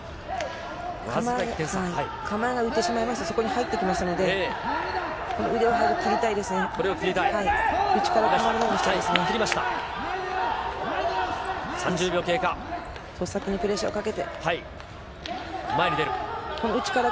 構えが浮いてしまいますと、そこに入ってきますので、これを切りたい？内から。